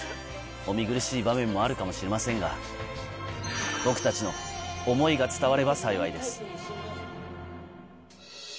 お見苦しい場面もあるかもしれませんが、僕たちの思いが伝われば幸いです。